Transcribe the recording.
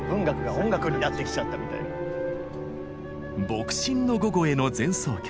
「牧神の午後への前奏曲」。